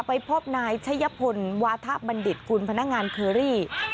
ไปพบนายชัยพลวาทะบัณฑิตกุลพนักงานเคอรี่